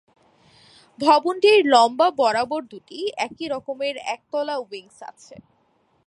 ভবনটির লম্বা বরাবর দুটি একই রকমের একতলা উইংস আছে।